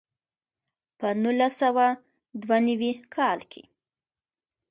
په نولس سوه دوه نوي کال کې.